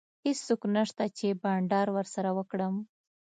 هیڅوک نشته چي بانډار ورسره وکړم.